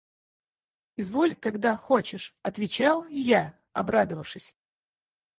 – Изволь; когда хочешь! – отвечал я, обрадовавшись.